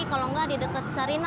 kalau enggak di deket sarinah mas